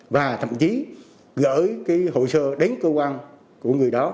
và thậm chí gửi hội sơ đến cơ quan của người đó